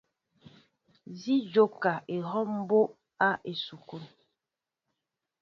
Si jóka ehɔw mbóʼ á esukul.